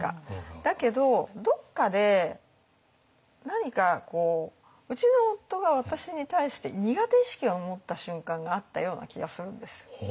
だけどどっかで何かうちの夫が私に対して苦手意識を持った瞬間があったような気がするんですよ。